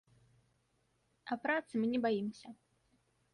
А працы мы не баімся.